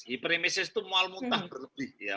hipremesis itu mual muntah berlebih ya